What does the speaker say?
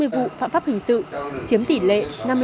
năm trăm bốn mươi vụ phạm pháp hình sự chiếm tỷ lệ năm mươi sáu sáu